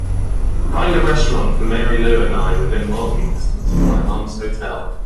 Find a restaurant for marylou and I within walking distance of my mum's hotel